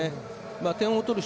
点を取る人